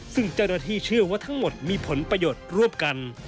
ซึ่งเจ้าหน้าที่เชื่อว่าทั้งหมดมีผลประโยชน์ร่วมกัน